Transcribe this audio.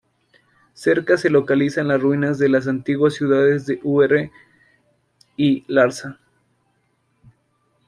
Cerca se localizan las ruinas de las antiguas ciudades de Ur y Larsa.